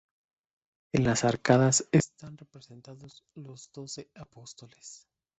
En las arcadas están representados los doce Apóstoles.